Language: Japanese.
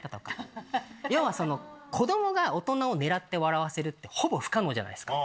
要は子どもが大人を狙って笑わせるってほぼ不可能じゃないですか。